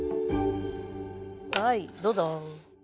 はいどうぞ。